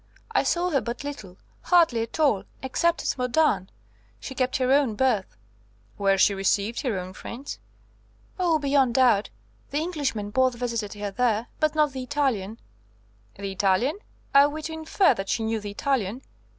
"I saw her but little, hardly at all, except at Modane. She kept her own berth." "Where she received her own friends?" "Oh, beyond doubt. The Englishmen both visited her there, but not the Italian." "The Italian? Are we to infer that she knew the Italian?"